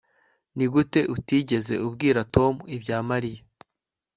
Nigute utigeze ubwira Tom ibya Mariya